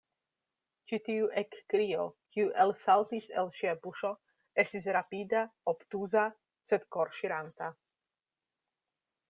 Ĉi tiu ekkrio, kiu elsaltis el ŝia buŝo, estis rapida, obtuza, sed korŝiranta.